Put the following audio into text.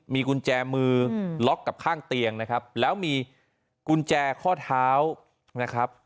มีกุญแจมือล็อกกับข้างเตียงนะครับแล้วมีกุญแจข้อเท้านะครับ